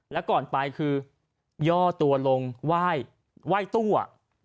แล้วก่อนไปคือย่อตัวลงไหว้ตู้อ่ะ